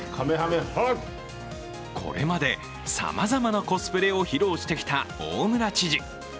これまでさまざまなコスプレを披露してきた大村知事。